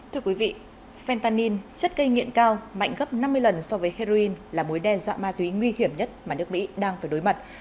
thưa quý vị fantain suất cây nghiện cao mạnh gấp năm mươi lần so với heroin là mối đe dọa ma túy nguy hiểm nhất mà nước mỹ đang phải đối mặt